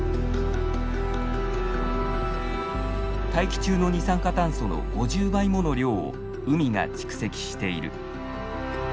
大気中の二酸化炭素の５０倍もの量を海が蓄積している。